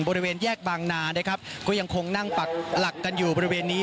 บริเวณแยกบางนานะครับก็ยังคงนั่งปักหลักกันอยู่บริเวณนี้